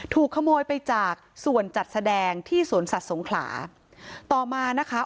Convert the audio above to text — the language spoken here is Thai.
ถูกขโมยไปจากส่วนจัดแสดงที่สวนสัตว์สงขลาต่อมานะคะ